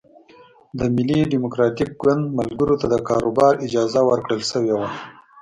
د ملي ډیموکراتیک ګوند ملګرو ته د کاروبار اجازه ورکړل شوې وه.